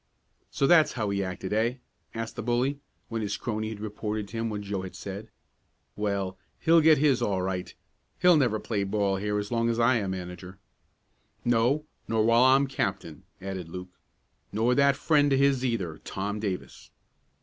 "So that's how he acted, eh?" asked the bully, when his crony had reported to him what Joe had said. "Well, he'll get his all right. He'll never play ball here as long as I am manager." "No, nor while I'm captain," added Luke. "Nor that friend of his either, Tom Davis."